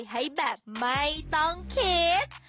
ให้แบบไม่ต้องคิด